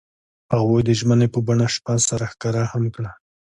هغوی د ژمنې په بڼه شپه سره ښکاره هم کړه.